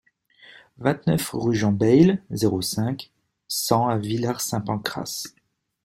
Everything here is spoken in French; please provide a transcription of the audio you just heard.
vingt-neuf rue Jean Bayle, zéro cinq, cent à Villar-Saint-Pancrace